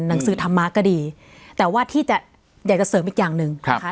หนังสือธรรมะก็ดีแต่ว่าที่จะอยากจะเสริมอีกอย่างหนึ่งค่ะ